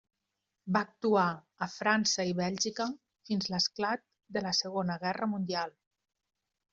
Va actuar a França i Bèlgica fins a l'esclat de la Segona Guerra Mundial.